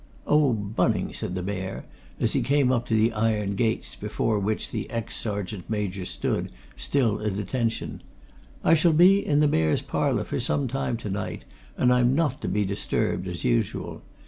"Oh, Bunning," said the Mayor, as he came up to the iron gates before which the ex sergeant major stood, still at attention, "I shall be in the Mayor's Parlour for some time to night, and I'm not to be disturbed, as usual.